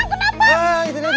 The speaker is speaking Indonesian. eh ah kang kenapa